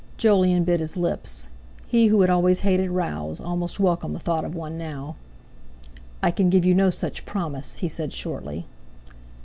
Jolyon bit his lips; he who had always hated rows almost welcomed the thought of one now. "I can give you no such promise," he said shortly.